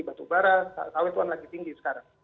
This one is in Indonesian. batu bara sawituan lagi tinggi sekarang